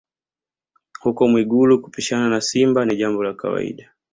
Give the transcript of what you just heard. Huko Mwigulu kupishana na simba ni jambo la kawaida